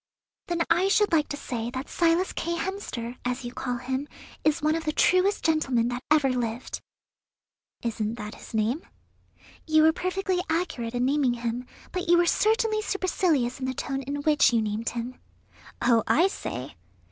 "Then I should like to say that Silas K. Hemster, as you call him, is one of the truest gentlemen that ever lived." "Isn't that his name?" "You were perfectly accurate in naming him, but you were certainly supercilious in the tone in which you named him." "Oh, I say!"